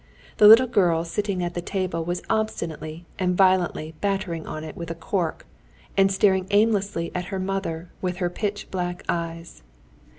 The little girl sitting at the table was obstinately and violently battering on it with a cork, and staring aimlessly at her mother with her pitch black eyes.